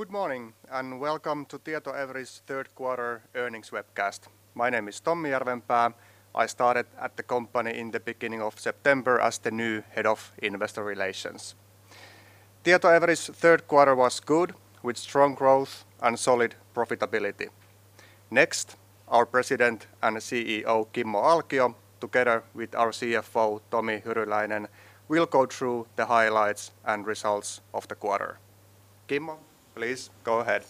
Good mornin and welcome to Tietoevry's third quarter earnings webcast. My name is Tommi Järvenpää. I started at the company in the beginning of September as the new head of investor relations. Tietoevry's third quarter was good with strong growth and solid profitability. Next, our President and CEO Kimmo Alkio, together with our CFO Tomi Hyryläinen, will go through the highlights and results of the quarter. Kimmo, please go ahead.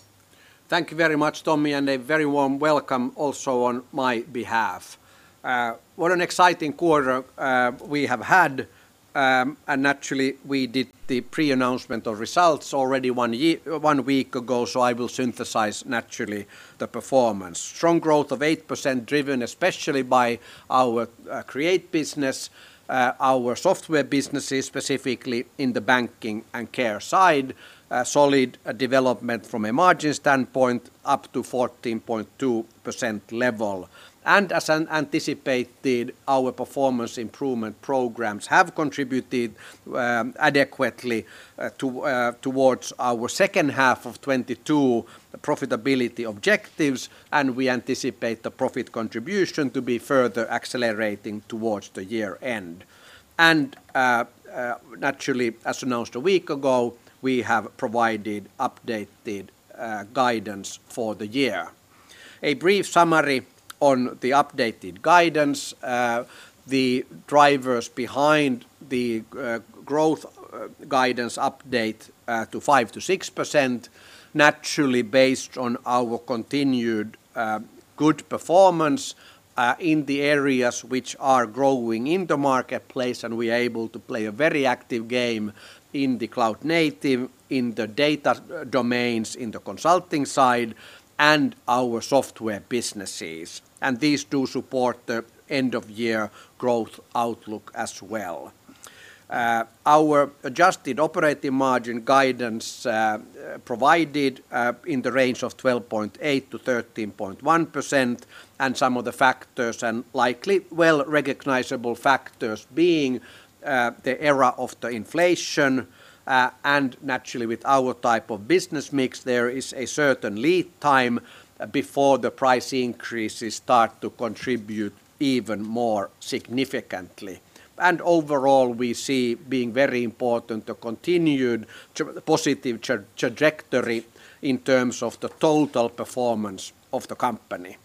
Thank you very much, Tommi, and a very warm welcome also on my behalf. What an exciting quarter we have had, and naturally we did the pre-announcement of results already one week ago, so I will synthesize naturally the performance. Strong growth of 8% driven especially by our Create business, our software businesses specifically in the banking and care side. A solid development from a margin standpoint, up to 14.2% level. As anticipated, our performance improvement programs have contributed adequately towards our second half of 2022 profitability objectives, and we anticipate the profit contribution to be further accelerating towards the year end. Naturally, as announced a week ago, we have provided updated guidance for the year. A brief summary on the updated guidance, the drivers behind the growth guidance update to 5%-6%, naturally based on our continued good performance in the areas which are growing in the marketplace, and we are able to play a very active game in the cloud-native, in the data domains, in the consulting side, and our software businesses. These do support the end-of-year growth outlook as well. Our adjusted operating margin guidance provided in the range of 12.8%-13.1%, and some of the factors and likely well recognizable factors being the era of the inflation, and naturally with our type of business mix there is a certain lead time before the price increases start to contribute even more significantly. Overall we see being very important the continued positive trajectory in terms of the total performance of the company.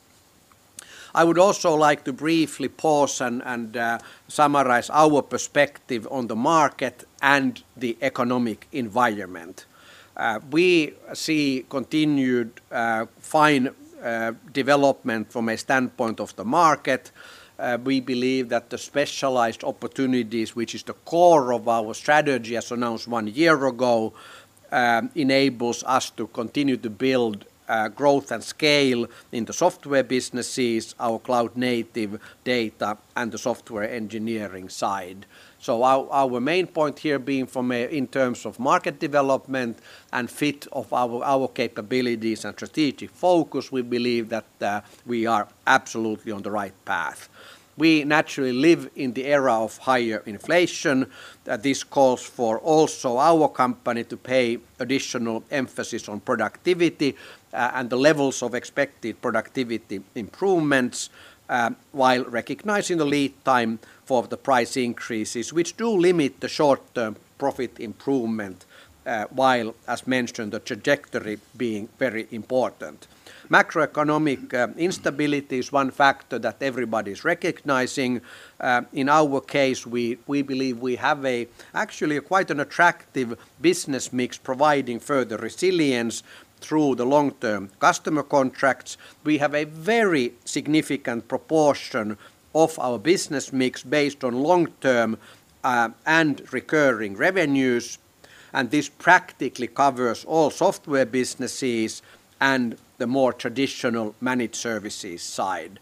I would also like to briefly pause and summarize our perspective on the market and the economic environment. We see continued fine development from a standpoint of the market. We believe that the specialized opportunities, which is the core of our strategy as announced one year ago, enables us to continue to build growth and scale in the software businesses, our cloud-native data, and the software engineering side. Our main point here being from in terms of market development and fit of our capabilities and strategic focus, we believe that we are absolutely on the right path. We naturally live in the era of higher inflation, that this calls for also our company to pay additional emphasis on productivity, and the levels of expected productivity improvements, while recognizing the lead time for the price increases, which do limit the short-term profit improvement, while, as mentioned, the trajectory being very important. Macroeconomic instability is one factor that everybody's recognizing. In our case we believe we have actually quite an attractive business mix providing further resilience through the long-term customer contracts. We have a very significant proportion of our business mix based on long-term, and recurring revenues, and this practically covers all software businesses and the more traditional managed services side.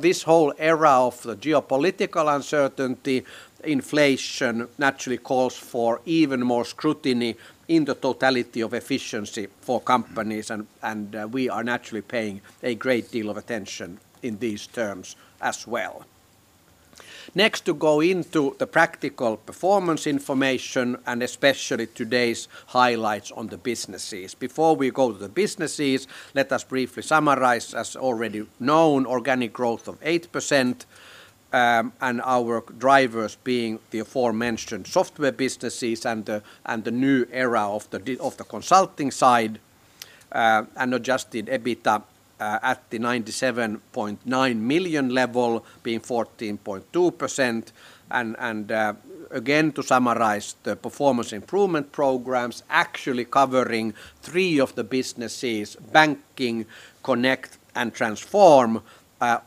This whole era of the geopolitical uncertainty, inflation naturally calls for even more scrutiny in the totality of efficiency for companies and we are naturally paying a great deal of attention in these terms as well. Next, to go into the practical performance information and especially today's highlights on the businesses. Before we go to the businesses, let us briefly summarize, as already known, organic growth of 8%, and our drivers being the aforementioned software businesses and the new era of the consulting side, and adjusted EBITDA at the 97.9 million level being 14.2%. Again, to summarize the performance improvement programs actually covering three of the businesses, Banking, Connect, and Transform,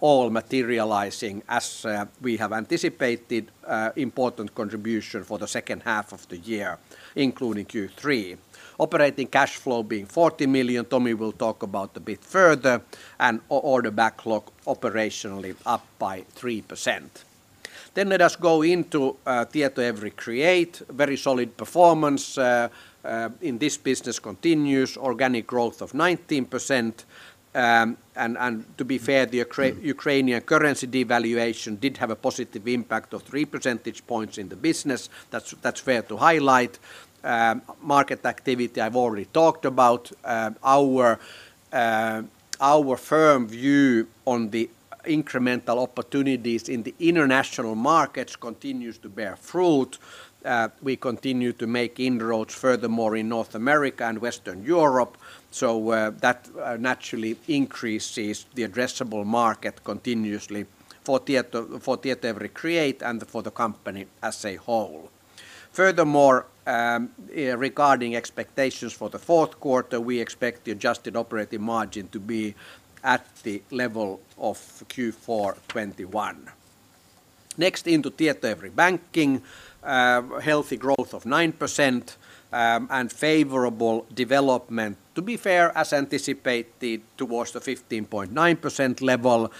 all materializing as we have anticipated, important contribution for the second half of the year, including Q3. Operating cash flow being 40 million, Tomi will talk about it a bit further, and order backlog operationally up by 3%. Let us go into Tietoevry Create. Very solid performance in this business continues. Organic growth of 19%. To be fair, the Ukrainian currency devaluation did have a positive impact of 3 percentage points in the business. That's fair to highlight. Market activity, I've already talked about. Our firm view on the incremental opportunities in the international markets continues to bear fruit. We continue to make inroads furthermore in North America and Western Europe. That naturally increases the addressable market continuously for Tietoevry Create and for the company as a whole. Furthermore, regarding expectations for the fourth quarter, we expect the adjusted operating margin to be at the level of Q4 2021. Next, into Tietoevry Banking. Healthy growth of 9%, and favorable development, to be fair, as anticipated towards the 15.9% level,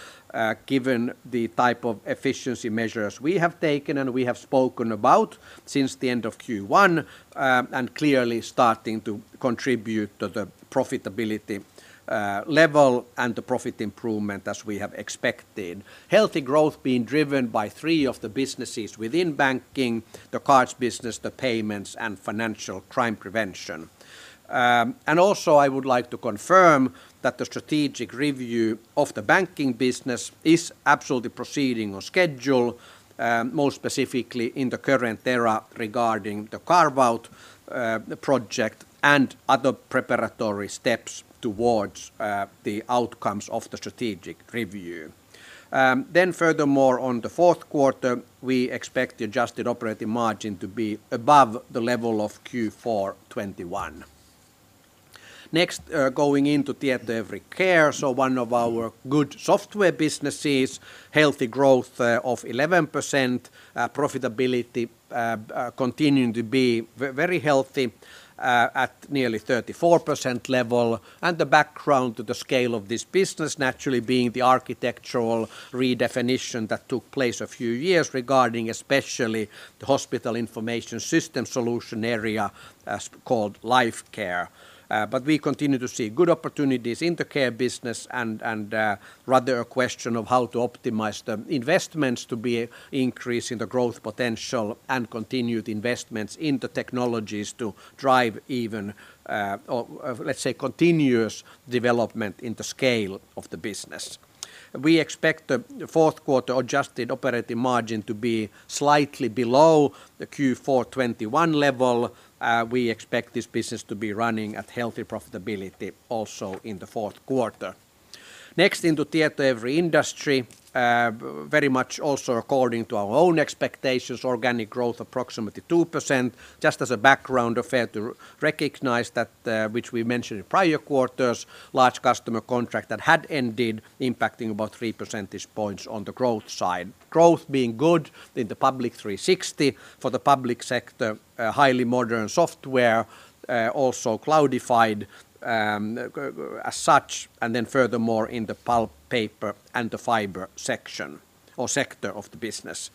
given the type of efficiency measures we have taken and we have spoken about since the end of Q1, and clearly starting to contribute to the profitability level and the profit improvement as we have expected. Healthy growth being driven by three of the businesses within banking: the cards business, the payments, and financial crime prevention. I would like to confirm that the strategic review of the banking business is absolutely proceeding on schedule, most specifically in the current era regarding the carve-out project and other preparatory steps towards the outcomes of the strategic review. Furthermore, on the fourth quarter, we expect the adjusted operating margin to be above the level of Q4 2021. Next, going into Tietoevry Care. One of our good software businesses. Healthy growth of 11%. Profitability continuing to be very healthy at nearly 34% level. The background to the scale of this business naturally being the architectural redefinition that took place a few years regarding especially the hospital information system solution area as called Lifecare. We continue to see good opportunities in the care business and rather a question of how to optimize the investments to be increasing the growth potential and continued investments in the technologies to drive even, let's say continuous development in the scale of the business. We expect the fourth quarter adjusted operating margin to be slightly below the Q4 2021 level. We expect this business to be running at healthy profitability also in the fourth quarter. Next, into Tietoevry Industry. Very much also according to our own expectations, organic growth approximately 2%. Just as a background, fair to recognize that, which we mentioned in prior quarters, large customer contract that had ended impacting about 3 percentage points on the growth side. Growth being good in the Public 360° for the public sector, highly modern software, also cloudified, as such, and then furthermore in the pulp, paper, and the fiber section or sector of the business.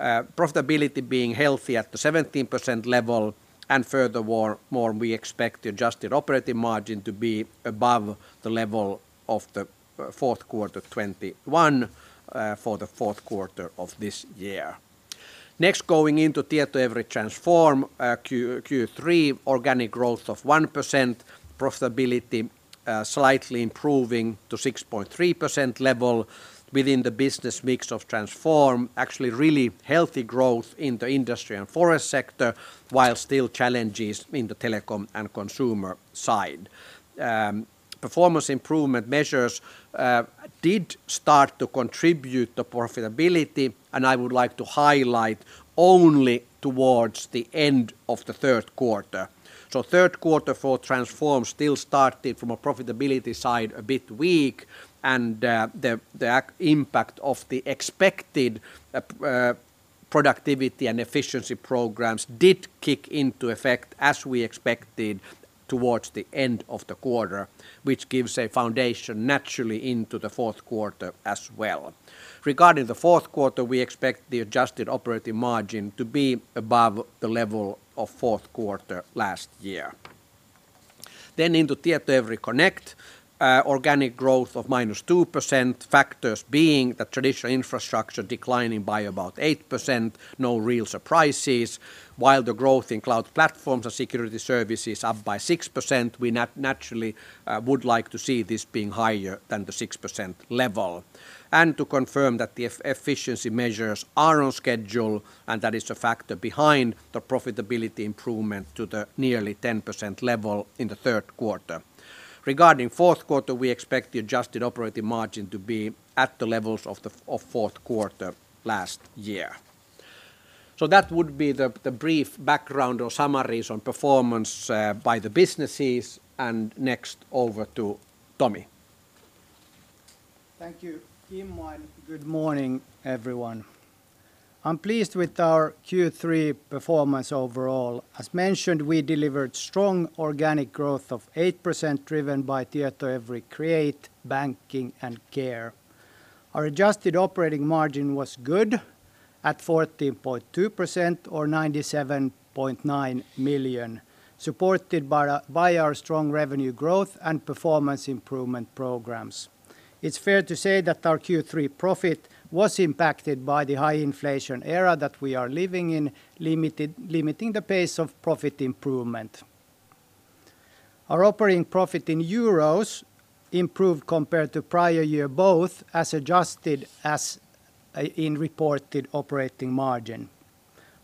Profitability being healthy at the 17% level and furthermore more we expect the adjusted operating margin to be above the level of the fourth quarter 2021, for the fourth quarter of this year. Next, going into Tietoevry Transform, Q3 organic growth of 1%, profitability slightly improving to 6.3% level within the business mix of Transform. Actually, really healthy growth in the industry and forest sector, while still challenges in the telecom and consumer side. Performance improvement measures did start to contribute to the profitability, and I would like to highlight only towards the end of the third quarter. Third quarter for Transform still started from a profitability side a bit weak and, the impact of the expected productivity and efficiency programs did kick into effect, as we expected, towards the end of the quarter, which gives a foundation naturally into the fourth quarter as well. Regarding the fourth quarter, we expect the adjusted operating margin to be above the level of fourth quarter last year. Into Tietoevry Connect, organic growth of minus 2%, factors being the traditional infrastructure declining by about 8%, no real surprises. While the growth in cloud platforms and security services up by 6%, we naturally would like to see this being higher than the 6% level. To confirm that the efficiency measures are on schedule, and that is a factor behind the profitability improvement to the nearly 10% level in the third quarter. Regarding fourth quarter, we expect the adjusted operating margin to be at the levels of fourth quarter last year. That would be the brief background or summaries on performance by the businesses. Next, over to Tomi. Thank you, Kimmo, and good morning, everyone. I'm pleased with our Q3 performance overall. As mentioned, we delivered strong organic growth of 8% driven by Tietoevry Create, Banking, and Care. Our adjusted operating margin was good at 14.2% or 97.9 million, supported by our strong revenue growth and performance improvement programs. It's fair to say that our Q3 profit was impacted by the high inflation era that we are living in, limiting the pace of profit improvement. Our operating profit in euros improved compared to prior year, both as adjusted and in reported operating margin.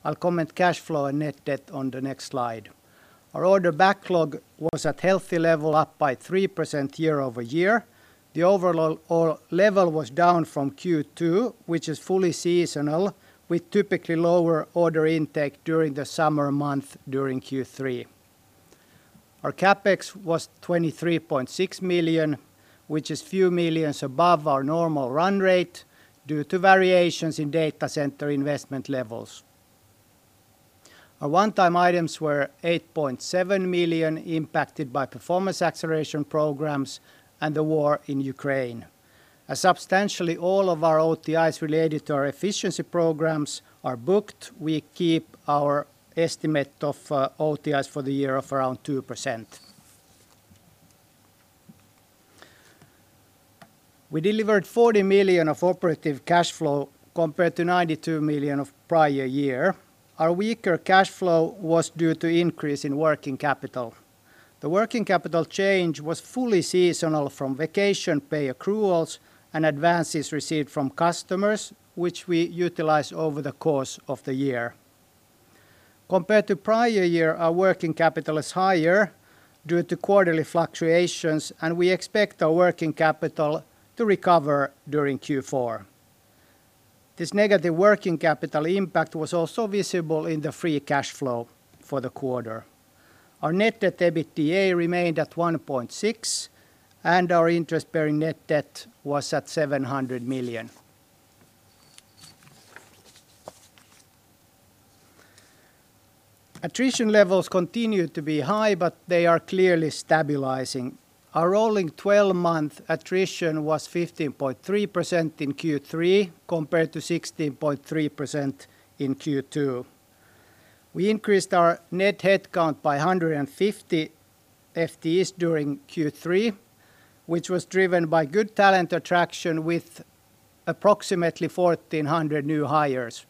I'll comment cash flow and net debt on the next slide. Our order backlog was at healthy level, up by 3% year-over-year. The overall order level was down from Q2, which is fully seasonal, with typically lower order intake during the summer month during Q3. Our CapEx was 23.6 million, which is a few million above our normal run rate due to variations in data center investment levels. Our one-time items were 8.7 million impacted by performance acceleration programs and the war in Ukraine. As substantially all of our OTIs related to our efficiency programs are booked, we keep our estimate of OTIs for the year of around 2%. We delivered 40 million of operative cash flow compared to 92 million of prior year. Our weaker cash flow was due to increase in working capital. The working capital change was fully seasonal from vacation pay accruals and advances received from customers, which we utilized over the course of the year. Compared to prior year, our working capital is higher due to quarterly fluctuations, and we expect our working capital to recover during Q4. This negative working capital impact was also visible in the free cash flow for the quarter. Our net debt/EBITDA remained at 1.6, and our interest-bearing net debt was at 700 million. Attrition levels continue to be high, but they are clearly stabilizing. Our rolling 12-month attrition was 15.3% in Q3 compared to 16.3% in Q2. We increased our net headcount by 150 FTEs during Q3, which was driven by good talent attraction with approximately 1,400 new hires.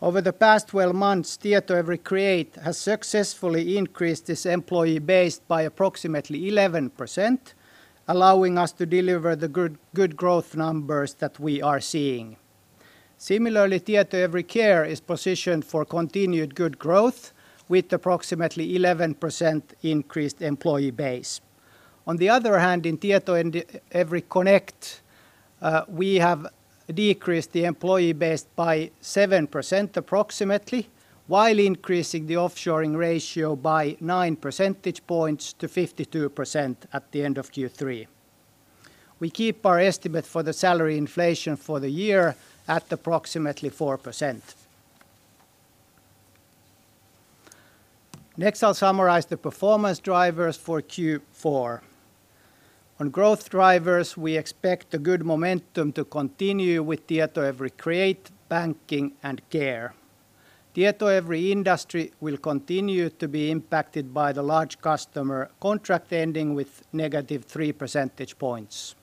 Over the past 12 months, Tietoevry Create has successfully increased its employee base by approximately 11%, allowing us to deliver the good growth numbers that we are seeing. Similarly, Tietoevry Care is positioned for continued good growth with approximately 11% increased employee base. On the other hand, in Tietoevry Connect, we have decreased the employee base by approximately 7%, while increasing the offshoring ratio by 9 percentage points to 52% at the end of Q3. We keep our estimate for the salary inflation for the year at approximately 4%. Next, I'll summarize the performance drivers for Q4. On growth drivers, we expect a good momentum to continue with Tietoevry Create, Tietoevry Banking, and Tietoevry Care. Tietoevry Industry will continue to be impacted by the large customer contract ending with -3 percentage points.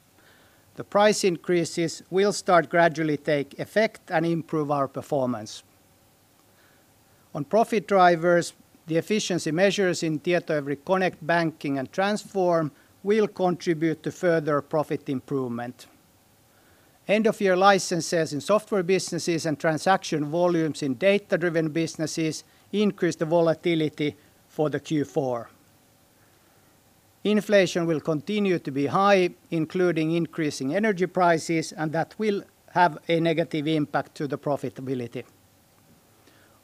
The price increases will start gradually take effect and improve our performance. On profit drivers, the efficiency measures in Tietoevry Connect, Tietoevry Banking, and Tietoevry Transform will contribute to further profit improvement. End-of-year licenses in software businesses and transaction volumes in data-driven businesses increase the volatility for the Q4. Inflation will continue to be high, including increasing energy prices, and that will have a negative impact to the profitability.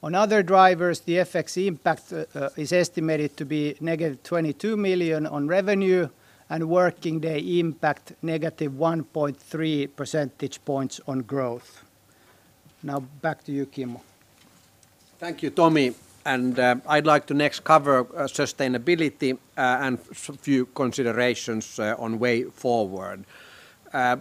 On other drivers, the FX impact is estimated to be negative 22 million on revenue and working day impact -1.3 percentage points on growth. Now back to you, Kimmo. Thank you, Tomi. I'd like to next cover sustainability and a few considerations on way forward.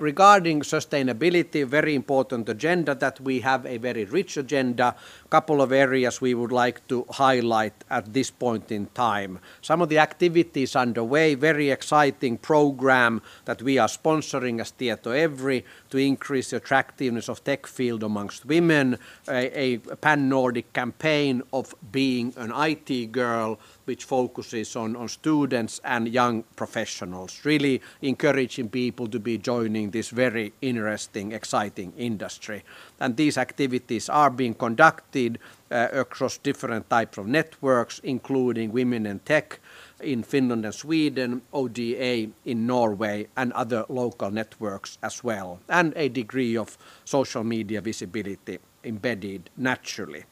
Regarding sustainability, very important agenda that we have a very rich agenda. Couple of areas we would like to highlight at this point in time. Some of the activities underway, very exciting program that we are sponsoring as Tietoevry to increase the attractiveness of tech field amongst women, a Pan-Nordic campaign of being an IT girl, which focuses on students and young professionals, really encouraging people to be joining this very interesting, exciting industry. These activities are being conducted across different types of networks, including Women in Tech in Finland and Sweden, ODA-Network in Norway, and other local networks as well, and a degree of social media visibility embedded naturally.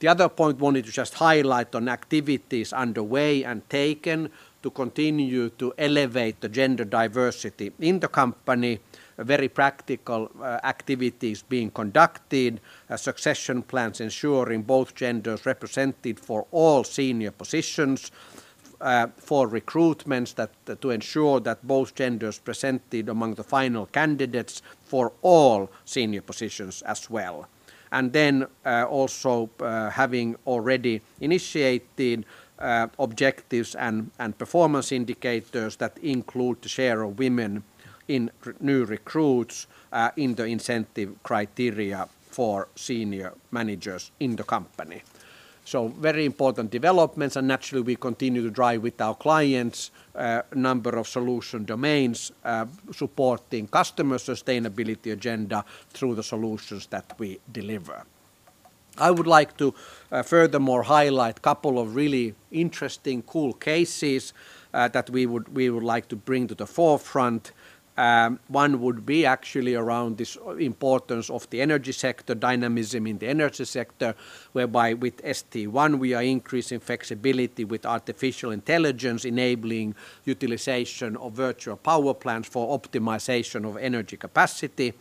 The other point I wanted to just highlight on activities underway and taken to continue to elevate the gender diversity in the company, very practical activities being conducted, succession plans ensuring both genders represented for all senior positions. For recruitments, to ensure that both genders presented among the final candidates for all senior positions as well. Also, having already initiated objectives and performance indicators that include the share of women in new recruits, in the incentive criteria for senior managers in the company. Very important developments, and naturally we continue to drive with our clients number of solution domains supporting customer sustainability agenda through the solutions that we deliver. I would like to furthermore highlight couple of really interesting cool cases that we would like to bring to the forefront. One would be actually around this importance of the energy sector, dynamism in the energy sector, whereby with St1 we are increasing flexibility with artificial intelligence, enabling utilization of virtual power plants for optimization of energy capacity.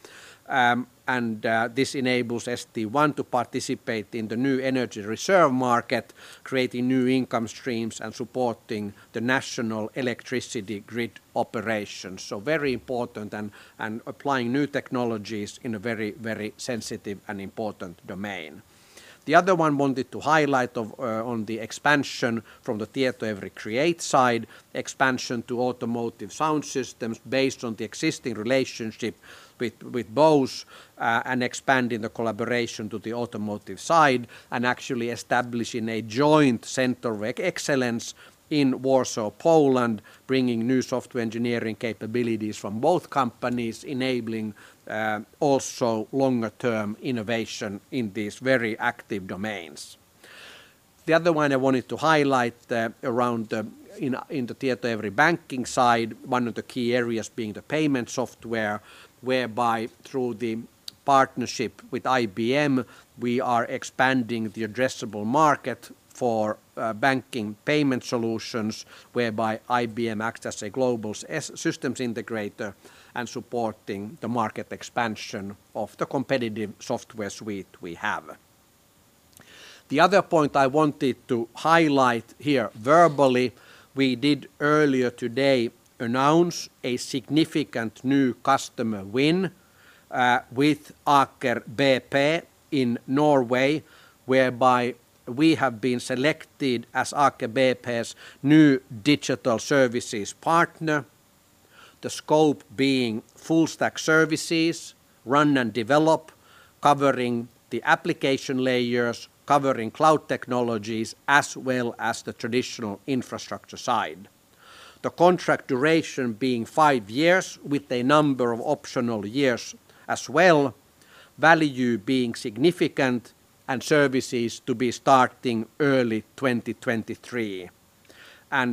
This enables St1 to participate in the new energy reserve market, creating new income streams and supporting the national electricity grid operations. Very important and applying new technologies in a very sensitive and important domain. The other one I wanted to highlight on the expansion from the Tietoevry Create side, expansion to automotive sound systems based on the existing relationship with Bose, and expanding the collaboration to the automotive side, and actually establishing a joint center of excellence in Warsaw, Poland, bringing new software engineering capabilities from both companies, enabling also longer term innovation in these very active domains. The other one I wanted to highlight, around the, in the Tietoevry Banking side, one of the key areas being the payment software, whereby through the partnership with IBM, we are expanding the addressable market for, banking payment solutions, whereby IBM acts as a global systems integrator and supporting the market expansion of the competitive software suite we have. The other point I wanted to highlight here verbally, we did earlier today announce a significant new customer win, with Aker BP in Norway, whereby we have been selected as Aker BP's new digital services partner. The scope being full stack services run and develop, covering the application layers, covering cloud technologies, as well as the traditional infrastructure side. The contract duration being five years with a number of optional years as well, value being significant, and services to be starting early 2023.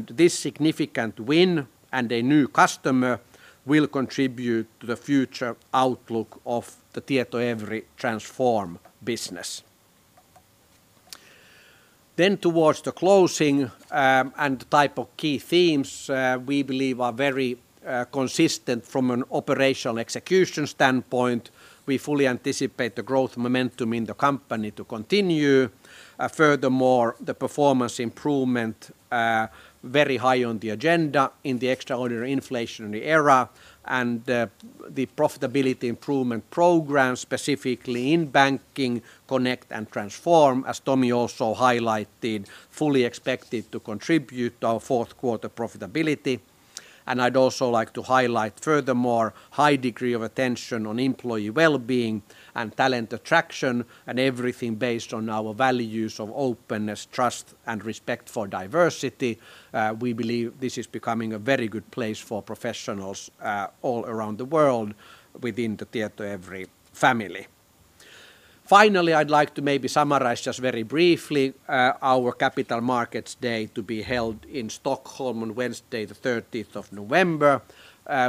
This significant win and a new customer will contribute to the future outlook of the Tietoevry Transform business. Towards the closing, and type of key themes, we believe are very consistent from an operational execution standpoint. We fully anticipate the growth momentum in the company to continue. Furthermore, the performance improvement, very high on the agenda in the extraordinary inflationary era and, the profitability improvement program, specifically in Banking, Connect and Transform, as Tomi also highlighted, fully expected to contribute to our fourth quarter profitability. I'd also like to highlight furthermore high degree of attention on employee wellbeing and talent attraction, and everything based on our values of openness, trust, and respect for diversity. We believe this is becoming a very good place for professionals, all around the world within the Tietoevry family. Finally, I'd like to maybe summarize just very briefly our capital markets day to be held in Stockholm on Wednesday the 30th of November.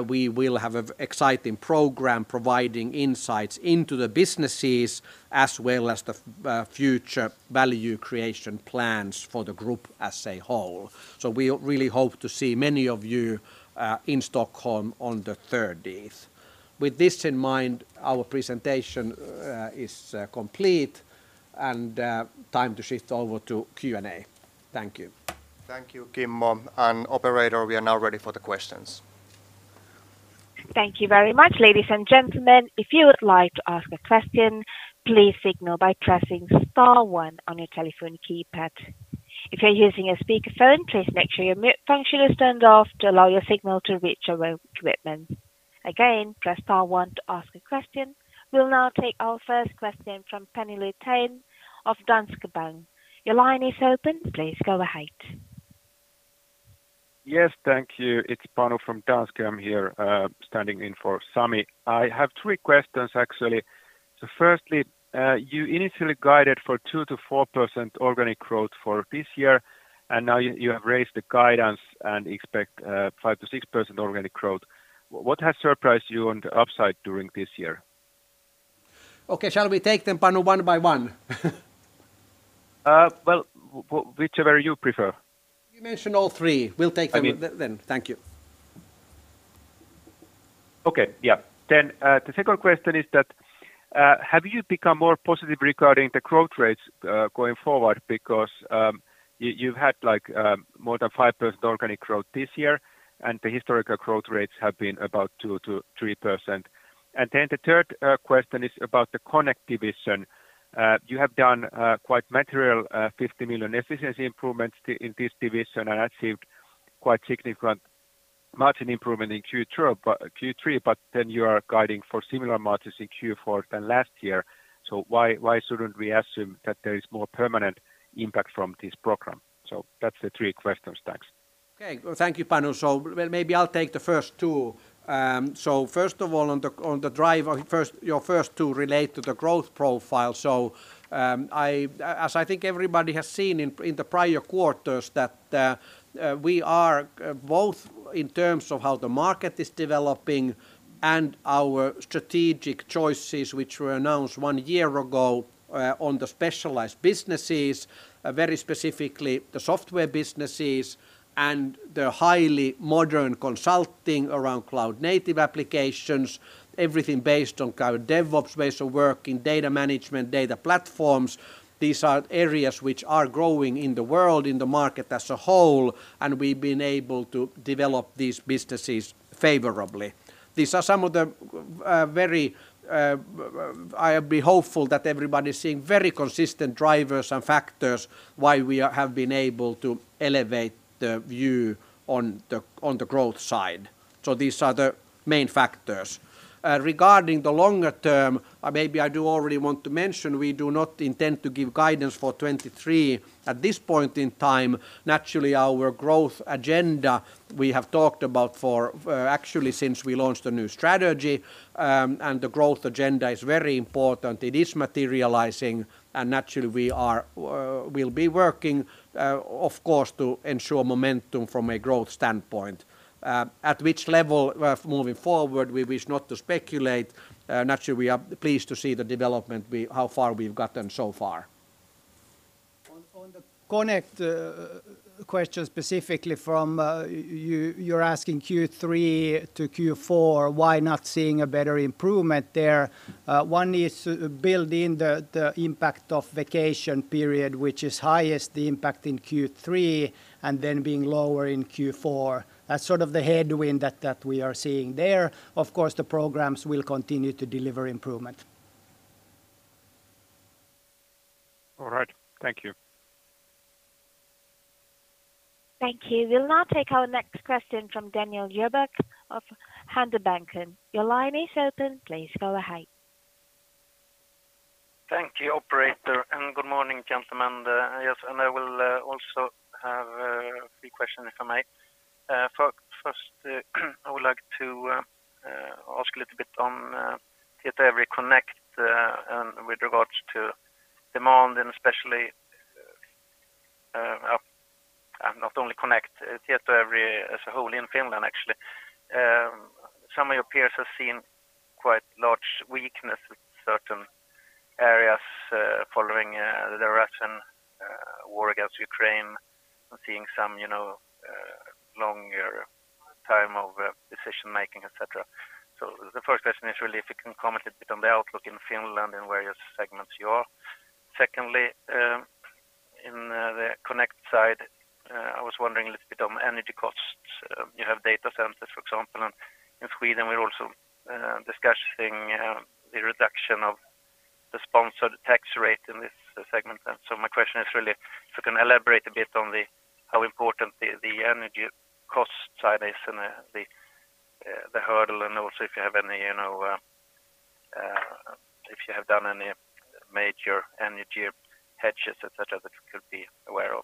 We will have an exciting program providing insights into the businesses as well as the future value creation plans for the group as a whole. We really hope to see many of you in Stockholm on the 30th. With this in mind, our presentation is complete and time to shift over to Q&A. Thank you. Thank you, Kimmo. Operator, we are now ready for the questions. Thank you very much. Ladies and gentlemen, if you would like to ask a question, please signal by pressing star one on your telephone keypad. If you're using a speakerphone, please make sure your mute function is turned off to allow your signal to reach our equipment. Again, press star one to ask a question. We'll now take our first question from Panu Laitinmäki of Danske Bank. Your line is open. Please go ahead. Yes, thank you. It's Panu from Danske. I'm here, standing in for Sami. I have three questions actually. Firstly, you initially guided for 2%-4% organic growth for this year, and now you have raised the guidance and expect 5%-6% organic growth. What has surprised you on the upside during this year? Okay. Shall we take them, Panu, one by one? Well, whichever you prefer. You mentioned all three. We'll take them. I mean. Thank you. Okay. Yeah. The second question is that, have you become more positive regarding the growth rates going forward because you had like more than 5% organic growth this year, and the historical growth rates have been about 2%-3%? The third question is about the Connect division. You have done quite material 50 million efficiency improvements in this division and achieved quite significant margin improvement in Q2, but Q3, but then you are guiding for similar margins in Q4 than last year. Why shouldn't we assume that there is more permanent impact from this program? That's the three questions. Thanks. Okay. Well, thank you, Panu. Well, maybe I'll take the first two. First of all, on the drivers of your first two relate to the growth profile. As I think everybody has seen in the prior quarters that we are both in terms of how the market is developing and our strategic choices which were announced one year ago on the specialized businesses, very specifically the software businesses and the highly modern consulting around cloud-native applications, everything based on kind of DevOps ways of working, data management, data platforms. These are areas which are growing in the world, in the market as a whole, and we've been able to develop these businesses favorably. These are some of the I have been hopeful that everybody's seeing very consistent drivers and factors why we have been able to elevate the view on the growth side. These are the main factors. Regarding the longer term, maybe I do already want to mention we do not intend to give guidance for 2023 at this point in time. Naturally, our growth agenda we have talked about for, actually, since we launched the new strategy, and the growth agenda is very important. It is materializing, and naturally we'll be working, of course, to ensure momentum from a growth standpoint. At which level, moving forward, we wish not to speculate. Naturally, we are pleased to see the development, how far we've gotten so far. On the Connect question specifically from you're asking Q3 to Q4, why not seeing a better improvement there. One is to build in the impact of vacation period, which is highest, the impact in Q3, and then being lower in Q4. That's sort of the headwind that we are seeing there. Of course, the programs will continue to deliver improvement. All right. Thank you. Thank you. We'll now take our next question from Daniel Djurberg of Handelsbanken. Your line is open. Please go ahead. Thank you, operator, and good morning, gentlemen. Yes, I will also have three questions, if I may. First, I would like to ask a little bit on Tietoevry Connect and with regards to demand and especially not only Connect, Tietoevry as a whole in Finland, actually. Some of your peers have seen quite large weakness in certain areas following the Russian war against Ukraine. We're seeing some, you know, longer time of decision-making, et cetera. The first question is really if you can comment a bit on the outlook in Finland and where your segments you are. Secondly, in the Connect side, I was wondering a little bit on energy costs. You have data centers, for example, and in Sweden we're also discussing the reduction of the sponsored tax rate in this segment. My question is really if you can elaborate a bit on how important the energy cost side is and the hurdle and also if you have any, you know, if you have done any major energy hedges, et cetera, that we could be aware of.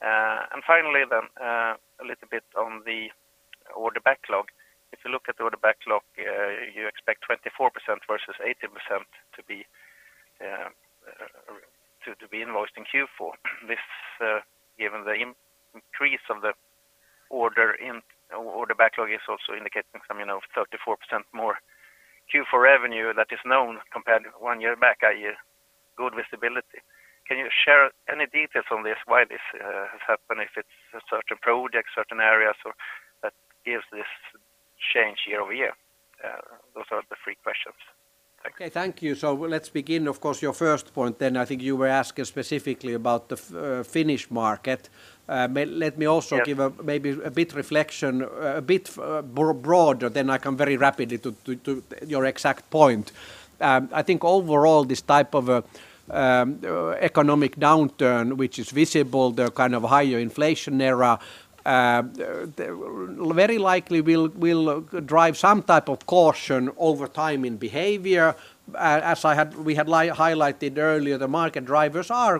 Finally, a little bit on the order backlog. If you look at the order backlog, you expect 24% versus 80% to be invoiced in Q4. This, given the increase of the order backlog is also indicating some, you know, 34% more Q4 revenue that is known compared one year back, i.e., good visibility. Can you share any details on this, why this has happened, if it's certain projects, certain areas or that gives this change year over year? Those are the three questions. Thank you. Okay. Thank you. Let's begin, of course, your first point then. I think you were asking specifically about the Finnish market. Let me also- Yeah Give maybe a bit of reflection, a bit broader, then I come very rapidly to your exact point. I think overall this type of economic downturn, which is visible, the kind of higher inflation era, very likely will drive some type of caution over time in behavior. As we had highlighted earlier, the market drivers are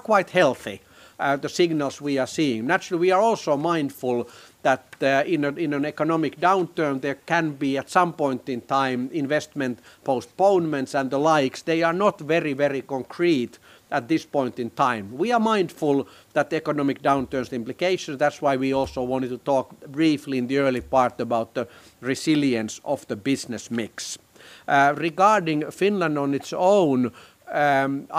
quite healthy, the signals we are seeing. Naturally, we are also mindful that in an economic downturn there can be at some point in time investment postponements and the like. They are not very concrete at this point in time. We are mindful that economic downturn's implications, that's why we also wanted to talk briefly in the early part about the resilience of the business mix. Regarding Finland on its own,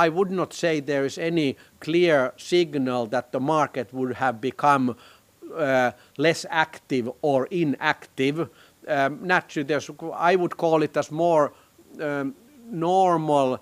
I would not say there is any clear signal that the market would have become less active or inactive. Naturally, I would call it a more normal,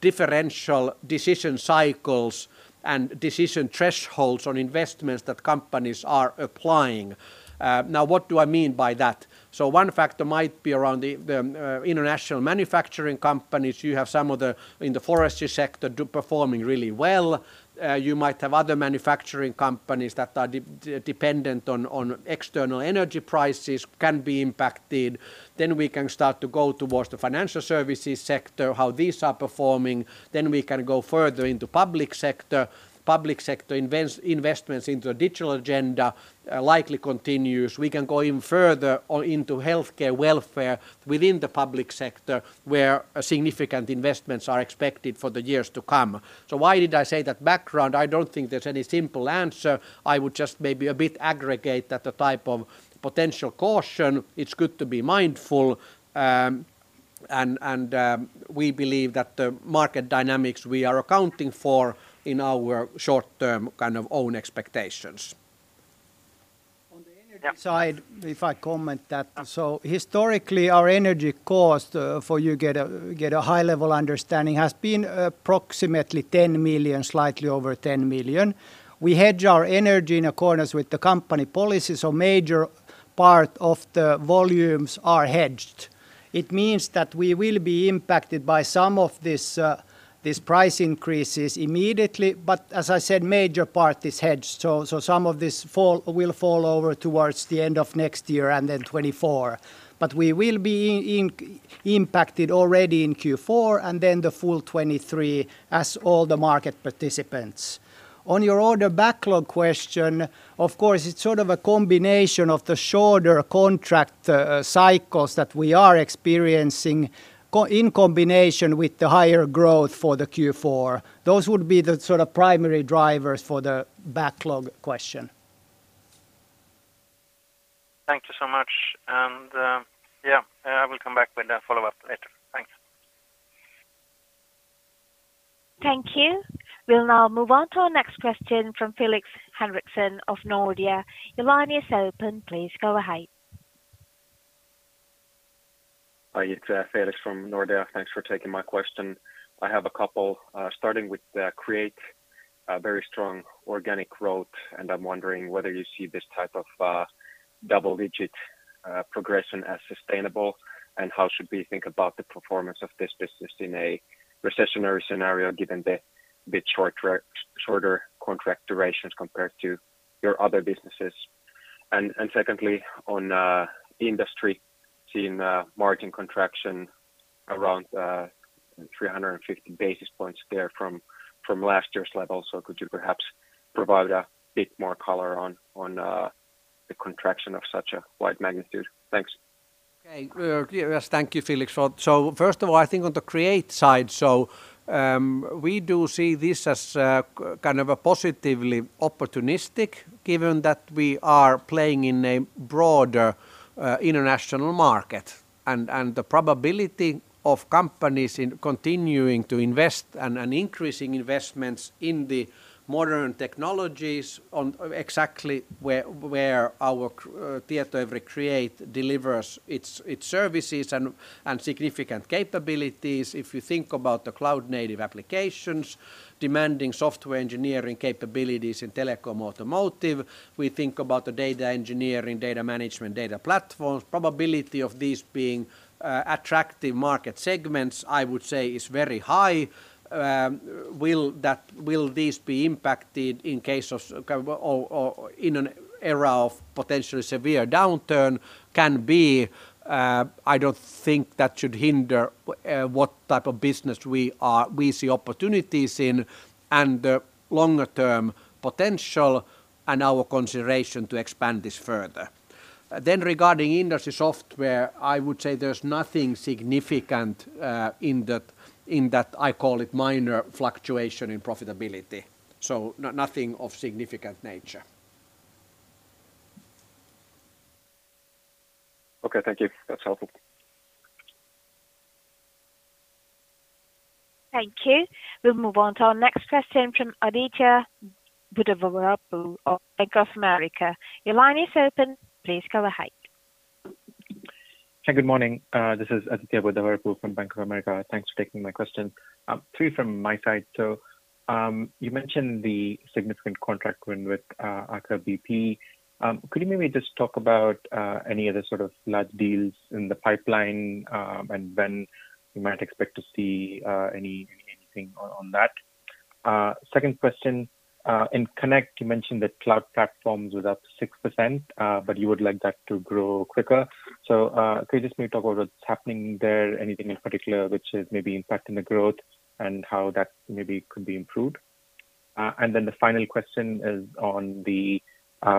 differential decision cycles and decision thresholds on investments that companies are applying. Now what do I mean by that? One factor might be around the international manufacturing companies. You have some of them in the forestry sector performing really well. You might have other manufacturing companies that are dependent on external energy prices can be impacted. We can start to go towards the financial services sector, how these are performing. We can go further into public sector. Public sector investments into the digital agenda likely continues. We can go even further or into healthcare welfare within the public sector, where significant investments are expected for the years to come. Why did I say that background? I don't think there's any simple answer. I would just maybe a bit aggregate that the type of potential caution, it's good to be mindful. We believe that the market dynamics we are accounting for in our short-term kind of own expectations. On the energy side. Yeah. If I comment on that. Historically, our energy cost, for you to get a high level understanding, has been approximately 10 million, slightly over 10 million. We hedge our energy in accordance with the company policies, so major part of the volumes are hedged. It means that we will be impacted by some of this price increases immediately. As I said, major part is hedged. Some of this will fall over towards the end of next year and then 2024. We will be impacted already in Q4 and then the full 2023 as all the market participants. On your order backlog question, of course, it is sort of a combination of the shorter contract cycles that we are experiencing in combination with the higher growth for the Q4. Those would be the sort of primary drivers for the backlog question. Thank you so much. Yeah, I will come back with a follow-up later. Thanks. Thank you. We'll now move on to our next question from Felix Henriksson of Nordea. Your line is open. Please go ahead. Hi, it's Felix from Nordea. Thanks for taking my question. I have a couple starting with Create, a very strong organic growth, and I'm wondering whether you see this type of double-digit progression as sustainable, and how should we think about the performance of this business in a recessionary scenario, given the shorter contract durations compared to your other businesses? Secondly, on the industry seeing margin contraction around 350 basis points there from last year's level. Could you perhaps provide a bit more color on the contraction of such a wide magnitude? Thanks. Okay. Yes, thank you, Felix. First of all, I think on the Create side, we do see this as kind of a positively opportunistic given that we are playing in a broader international market. The probability of companies continuing to invest and increasing investments in the modern technologies on exactly where our Tietoevry Create delivers its services and significant capabilities. If you think about the cloud-native applications demanding software engineering capabilities in telecom, automotive. We think about the data engineering, data management, data platforms, probability of these being attractive market segments, I would say, is very high. Will these be impacted in case of or in an era of potentially severe downturn? I don't think that should hinder what type of business we see opportunities in and the longer term potential and our consideration to expand this further. Regarding industry software, I would say there's nothing significant in that, I call it minor fluctuation in profitability, so nothing of significant nature. Okay. Thank you. That's helpful. Thank you. We'll move on to our next question from Aditya Buddhavarapu of Bank of America. Your line is open. Please go ahead. Hey, good morning. This is Aditya Buddhavarapu from Bank of America. Thanks for taking my question. Three from my side. You mentioned the significant contract win with Aker BP. Could you maybe just talk about any other sort of large deals in the pipeline, and when we might expect to see anything on that? Second question, in Connect, you mentioned that cloud platforms were up 6%, but you would like that to grow quicker. Could you just maybe talk about what's happening there, anything in particular which is maybe impacting the growth and how that maybe could be improved? And then the final question is on the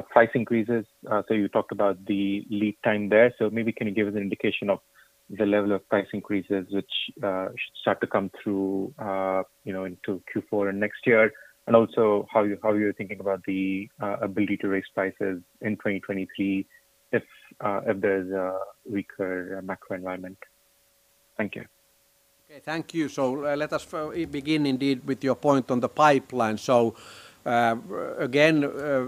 price increases. You talked about the lead time there. Maybe can you give us an indication of the level of price increases which start to come through, you know, into Q4 and next year? Also how you're thinking about the ability to raise prices in 2023 if there's a weaker macro environment. Thank you. Okay, thank you. Let us begin indeed with your point on the pipeline. Again,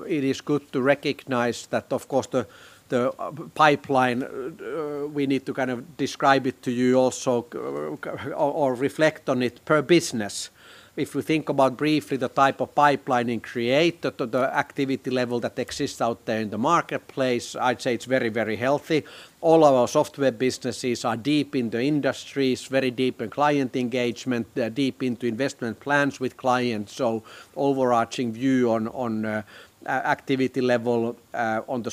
it is good to recognize that, of course, the pipeline, we need to kind of describe it to you also consider or reflect on it per business. If we think about briefly the type of pipeline in Create, the activity level that exists out there in the marketplace, I'd say it's very, very healthy. All our software businesses are deep in the industries, very deep in client engagement. They're deep into investment plans with clients, overarching view on activity level on the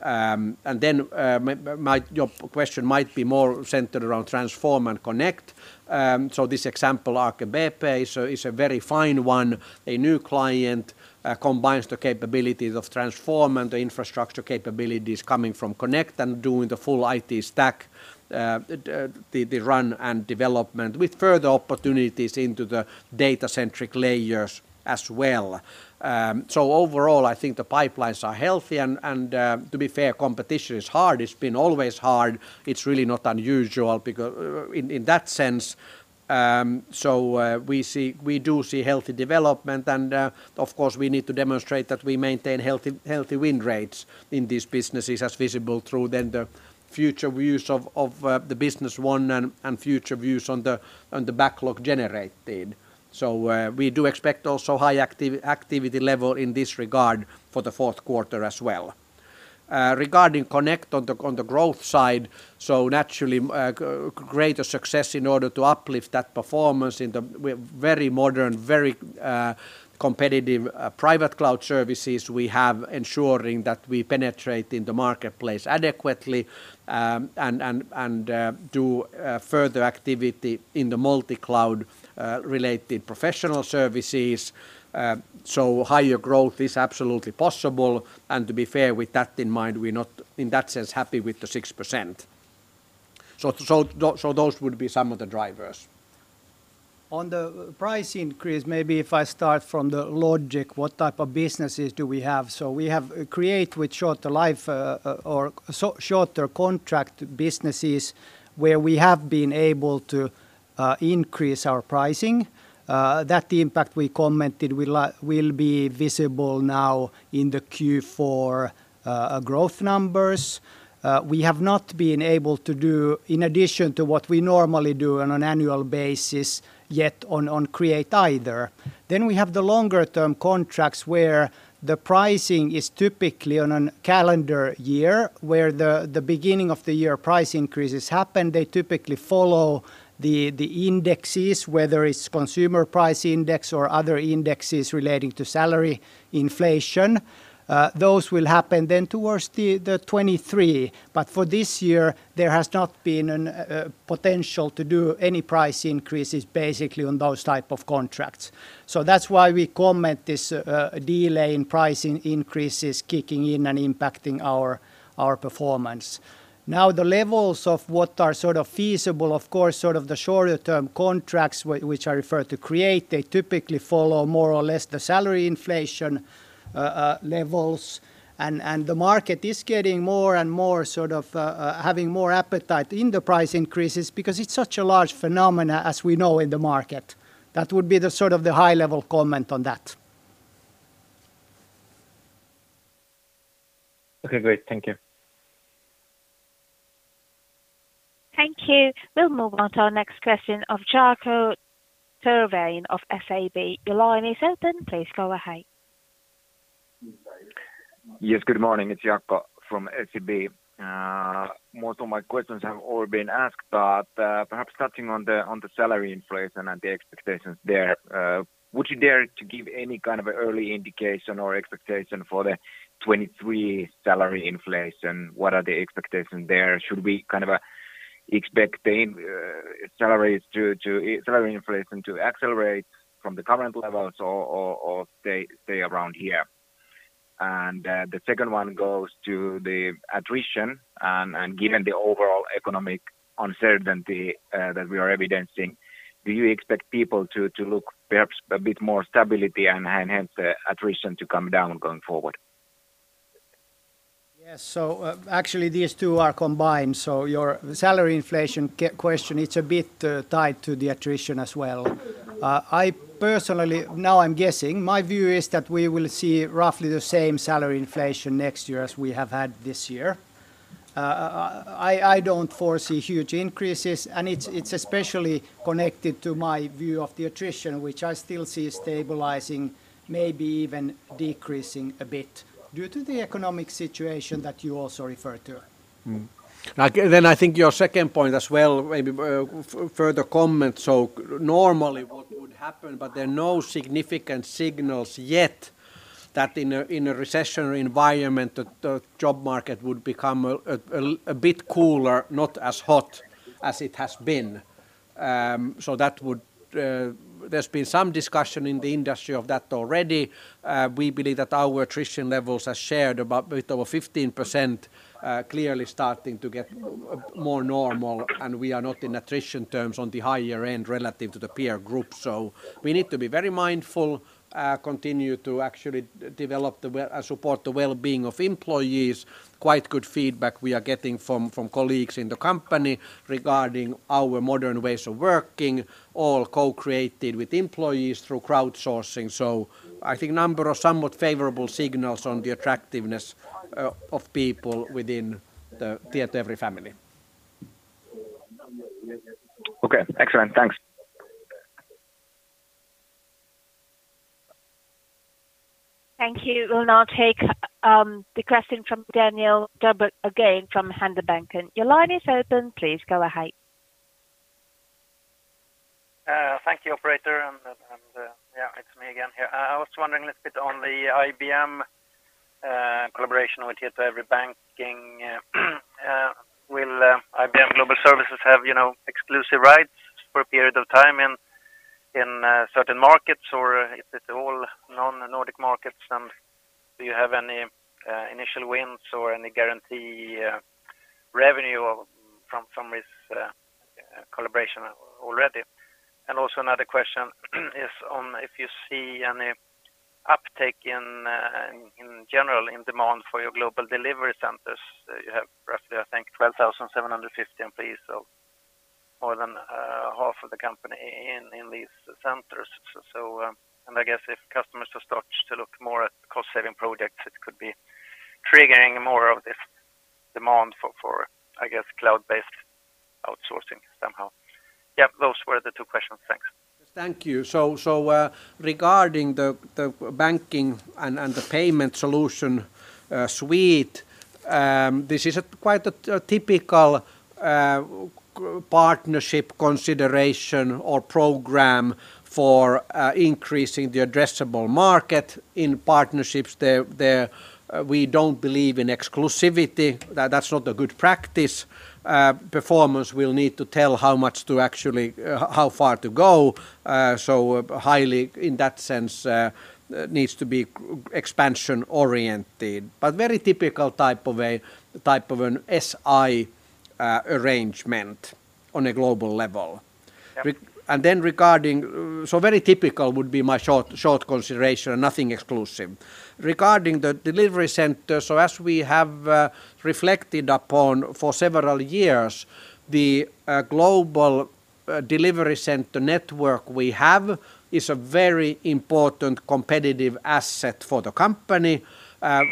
software side also healthy. Your question might be more centered around Transform and Connect. This example, Aker BP, is a very fine one. A new client combines the capabilities of Transform and the infrastructure capabilities coming from Connect and doing the full IT stack, the run and development with further opportunities into the data-centric layers as well. Overall, I think the pipelines are healthy and to be fair, competition is hard. It's been always hard. It's really not unusual because in that sense we do see healthy development, and of course we need to demonstrate that we maintain healthy win rates in these businesses as visible through the future views of the business won and future views on the backlog generated. We do expect also high activity level in this regard for the fourth quarter as well. Regarding Connect on the growth side, naturally greater success in order to uplift that performance in the very modern, very competitive private cloud services we have ensuring that we penetrate in the marketplace adequately, and do further activity in the multi-cloud related professional services. Higher growth is absolutely possible. To be fair with that in mind, we're not, in that sense, happy with the 6%. Those would be some of the drivers. On the price increase, maybe if I start from the logic, what type of businesses do we have? We have Create with shorter life or shorter contract businesses where we have been able to increase our pricing, that the impact we commented will be visible now in the Q4 growth numbers. We have not been able to do in addition to what we normally do on an annual basis yet on Create either. We have the longer-term contracts where the pricing is typically on a calendar year, where the beginning of the year price increases happen. They typically follow the indexes, whether it's consumer price index or other indexes relating to salary inflation. Those will happen then towards the 2023. For this year, there has not been a potential to do any price increases basically on those type of contracts. That's why we comment on this delay in pricing increases kicking in and impacting our performance. The levels of what are sort of feasible, of course, sort of the shorter term contracts which I refer to Create, they typically follow more or less the salary inflation levels. The market is getting more and more sort of having more appetite for the price increases because it's such a large phenomenon as we know in the market. That would be sort of the high level comment on that. Okay, great. Thank you. Thank you. We'll move on to our next question of Jaakko Tyrväinen of SEB. Your line is open. Please go ahead. Yes, good morning. It's Jaakko from SEB. Most of my questions have all been asked, but perhaps touching on the salary inflation and the expectations there, would you dare to give any kind of early indication or expectation for the 2023 salary inflation? What are the expectations there? Should we kind of expect salary inflation to accelerate from the current levels or stay around here? The second one goes to the attrition, and given the overall economic uncertainty that we are experiencing, do you expect people to look for a bit more stability and hence the attrition to come down going forward? Yes. Actually, these two are combined. Your salary inflation question, it's a bit tied to the attrition as well. I personally, now I'm guessing, my view is that we will see roughly the same salary inflation next year as we have had this year. I don't foresee huge increases, and it's especially connected to my view of the attrition, which I still see stabilizing, maybe even decreasing a bit due to the economic situation that you also refer to. Mm. I think your second point as well, maybe, further comment. Normally what would happen, but there are no significant signals yet that in a recessionary environment, the job market would become a bit cooler, not as hot as it has been. That would. There's been some discussion in the industry of that already. We believe that our attrition levels as shared about with over 15%, clearly starting to get more normal, and we are not in attrition terms on the higher end relative to the peer group. We need to be very mindful, continue to actually develop, support the well-being of employees. Quite good feedback we are getting from colleagues in the company regarding our modern ways of working, all co-created with employees through crowdsourcing. I think number of somewhat favorable signals on the attractiveness, of people within the Tietoevry family. Okay, excellent. Thanks. Thank you. We'll now take the question from Daniel Djurberg again from Handelsbanken. Your line is open, please go ahead. Thank you operator, yeah, it's me again here. I was wondering a little bit on the IBM collaboration with Tietoevry Banking. Will IBM Global Services have, you know, exclusive rights for a period of time in certain markets or is it all non-Nordic markets? Do you have any initial wins or any guaranteed revenue from this collaboration already? Another question is on if you see any uptake in general in demand for your global delivery centers. You have roughly, I think 12,750 employees, so more than half of the company in these centers. I guess if customers have started to look more at cost-saving projects, it could be triggering more of this demand for, I guess, cloud-based outsourcing somehow. Yeah. Those were the two questions. Thanks. Thank you. Regarding the banking and the payment solution suite, this is quite a typical partnership consideration or program for increasing the addressable market in partnerships there. We don't believe in exclusivity. That's not a good practice. Performers will need to tell how far to go. Highly in that sense, needs to be expansion-oriented. Very typical type of an SI arrangement on a global level. Yep. Very typical would be my short consideration. Nothing exclusive. Regarding the delivery center, as we have reflected upon for several years, the global delivery center network we have is a very important competitive asset for the company.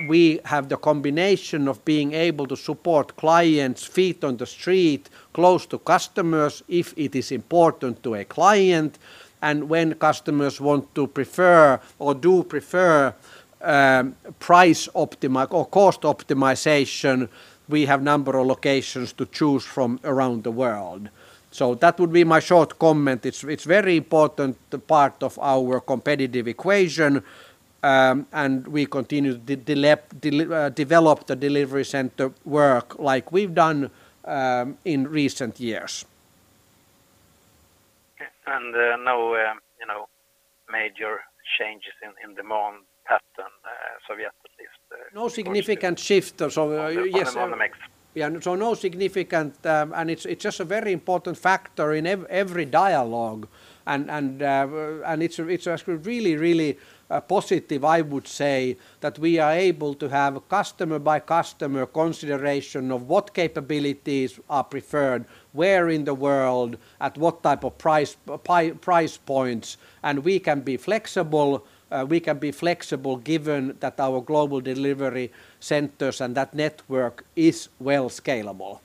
We have the combination of being able to support clients' feet on the street, close to customers if it is important to a client. When customers want to prefer or do prefer cost optimization, we have a number of locations to choose from around the world. That would be my short comment. It's a very important part of our competitive equation, and we continue to develop the delivery center work like we've done in recent years. Okay. No, you know, major changes in demand pattern, so we have at least, No significant shift. Yes. On the mix. Yeah. No significant. It's just a very important factor in every dialogue and it's just really positive, I would say, that we are able to have customer by customer consideration of what capabilities are preferred, where in the world, at what type of price points, and we can be flexible given that our global delivery centers and that network is well scalable.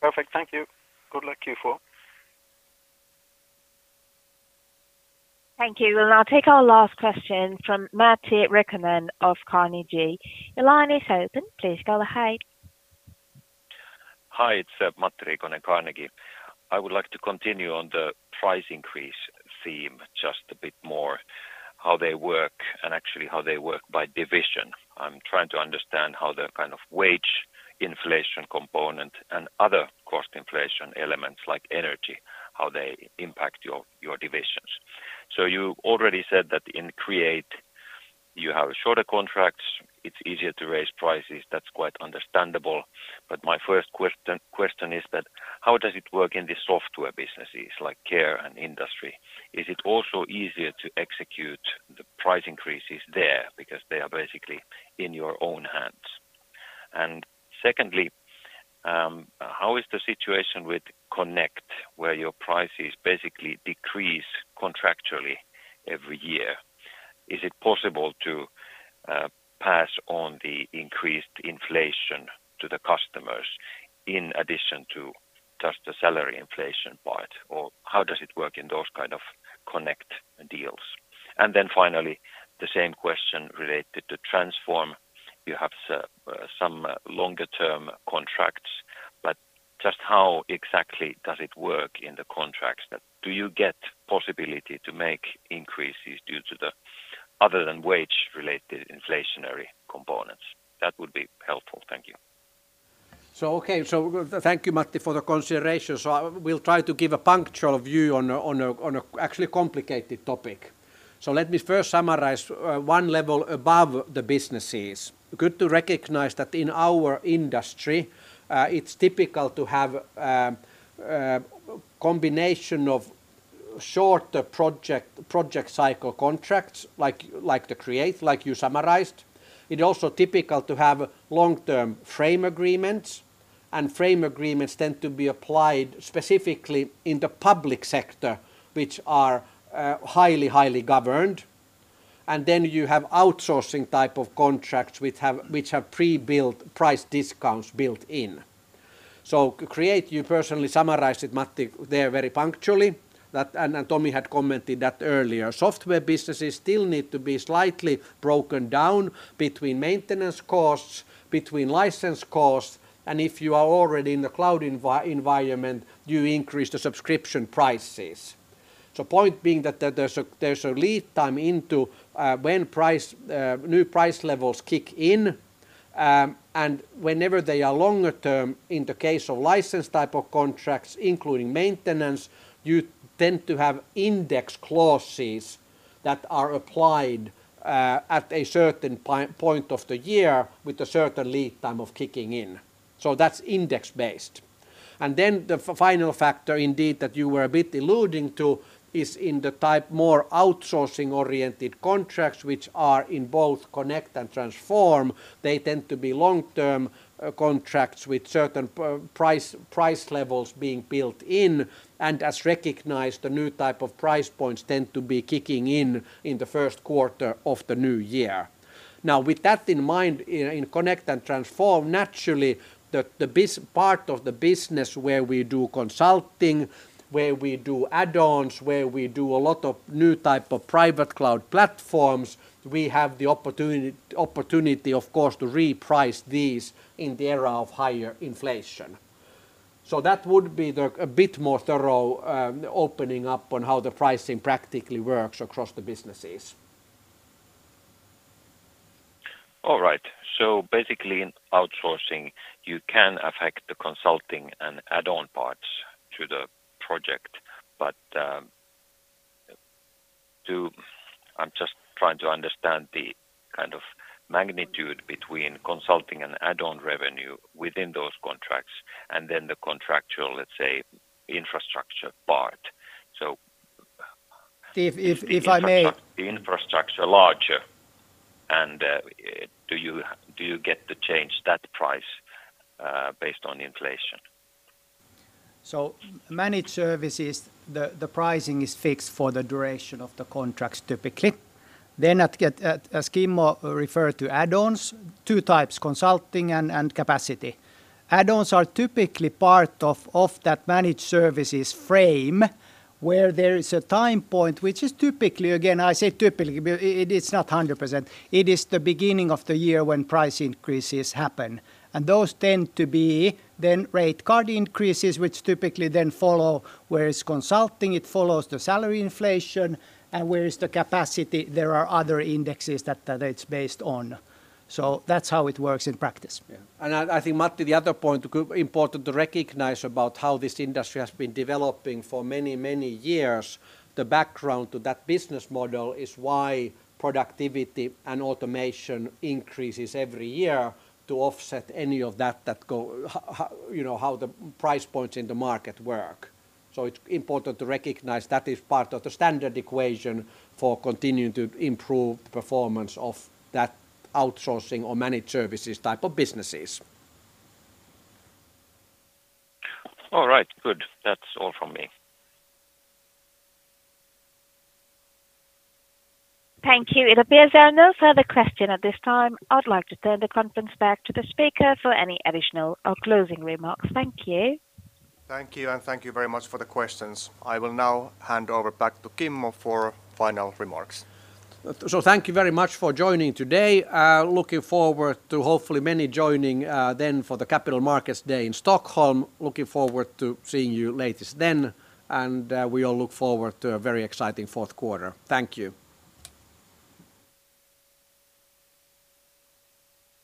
Perfect. Thank you. Good luck, Q4. Thank you. We'll now take our last question from Matti Riikonen of Carnegie. Your line is open, please go ahead. Hi, it's Matti Riikonen, Carnegie. I would like to continue on the price increase theme just a bit more, how they work and actually how they work by division. I'm trying to understand how the kind of wage inflation component and other cost inflation elements like energy, how they impact your divisions. So you already said that in Create you have shorter contracts, it's easier to raise prices, that's quite understandable. But my first question is that how does it work in the software businesses like Care and Industry? Is it also easier to execute the price increases there because they are basically in your own hands? And secondly, how is the situation with Connect, where your prices basically decrease contractually every year? Is it possible to pass on the increased inflation to the customers in addition to just the salary inflation part, or how does it work in those kind of Connect deals? Then finally, the same question related to Transform. You have some longer-term contracts, but just how exactly does it work in the contracts? That do you get possibility to make increases due to the other than wage-related inflationary components? That would be helpful. Thank you. Okay. Thank you, Matti, for the consideration. I will try to give a punctual view on an actually complicated topic. Let me first summarize one level above the businesses. Good to recognize that in our industry, it's typical to have a combination of shorter project cycle contracts like the Create, like you summarized. It also typical to have long-term frame agreements, and frame agreements tend to be applied specifically in the public sector, which are highly governed. Then you have outsourcing type of contracts which have pre-built price discounts built in. Create, you personally summarized it, Matti, there very punctually that and Tomi had commented that earlier. Software businesses still need to be slightly broken down between maintenance costs, between license costs, and if you are already in the cloud environment, you increase the subscription prices. Point being that there's a lead time into when new price levels kick in, and whenever they are longer term in the case of license type of contracts, including maintenance, you tend to have index clauses that are applied at a certain point of the year with a certain lead time of kicking in. That's index-based. The final factor indeed that you were a bit alluding to is in the type more outsourcing-oriented contracts which are in both Connect and Transform, they tend to be long-term contracts with certain price levels being built in, and as recognized, the new type of price points tend to be kicking in in the first quarter of the new year. Now, with that in mind, in Connect and Transform, naturally the business part of the business where we do consulting, where we do add-ons, where we do a lot of new type of private cloud platforms, we have the opportunity of course to reprice these in the era of higher inflation. That would be a bit more thorough opening up on how the pricing practically works across the businesses. All right. Basically in outsourcing, you can affect the consulting and add-on parts to the project. I'm just trying to understand the kind of magnitude between consulting and add-on revenue within those contracts and then the contractual, let's say, infrastructure part. If I may. The infrastructure larger and, do you get to change that price, based on inflation? Managed services, the pricing is fixed for the duration of the contracts typically. As Kimmo referred to add-ons, two types, consulting and capacity. Add-ons are typically part of that managed services frame where there is a time point which is typically, again, I say typically, but it's not 100%, it is the beginning of the year when price increases happen. Those tend to be then rate card increases, which typically then follow. Where it's consulting, it follows the salary inflation. Where it's capacity, there are other indexes that it's based on. That's how it works in practice. Yeah. I think, Matti, the other point important to recognize about how this industry has been developing for many, many years, the background to that business model is why productivity and automation increases every year to offset any of that, you know, how the price points in the market work. It's important to recognize that is part of the standard equation for continuing to improve performance of that outsourcing or managed services type of businesses. All right. Good. That's all from me. Thank you. It appears there are no further questions at this time. I'd like to turn the conference back to the speaker for any additional or closing remarks. Thank you. Thank you, and thank you very much for the questions. I will now hand over back to Kimmo for final remarks. Thank you very much for joining today. Looking forward to hopefully many joining then for the Capital Markets Day in Stockholm. Looking forward to seeing you at the latest then, and we all look forward to a very exciting fourth quarter. Thank you.